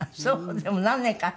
でも何年か。